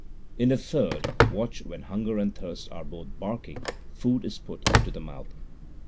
In the third watch when hunger and thirst are both barking, food is put into the mouth.